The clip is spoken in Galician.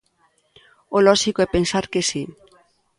O lóxico é pensar que si.